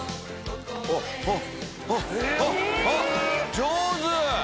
上手！